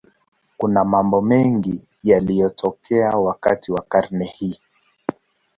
Kuna mambo mengi yaliyotokea wakati wa karne hii.